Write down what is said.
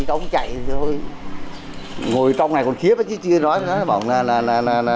ông chạy thì ngồi trong này còn khiếp chứ chưa nói gì nữa